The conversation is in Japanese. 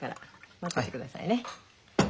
待っててくださいね。